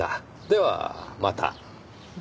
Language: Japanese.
ではまた。